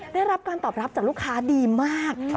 ได้รับการตอบรับจากลูกค้าดีมาก